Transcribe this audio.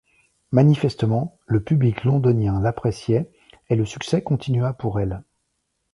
Manifestement, le public londonien l'appréciait et le succès continua pour elle.